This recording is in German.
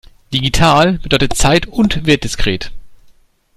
Digital bedeutet zeit- und wertdiskret.